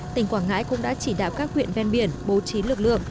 tỉnh quảng ngãi cũng đã chỉ đạo các huyện ven biển bố trí lực lượng